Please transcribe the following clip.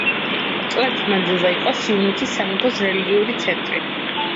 წლების მანძილზე იყო სიუნიქის სამეფოს რელიგიური ცენტრი.